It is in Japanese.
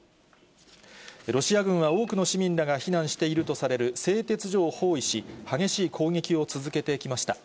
ロシア軍は、多くの市民らが避難しているとされる製鉄所を包囲し、激しい攻撃を続けてきました。